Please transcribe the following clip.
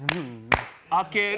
開ける。